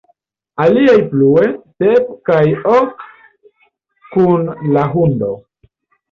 Aliaj plue: "Sep, kaj ok kun la hundo".